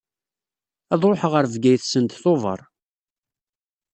Ad ruḥeɣ ɣer Bgayet send Tubeṛ.